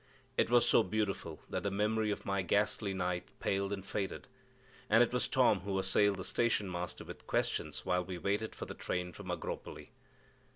It was so beautiful that the memory of my ghastly night paled and faded, and it was Tom who assailed the station master with questions while we waited for the train from Agropoli.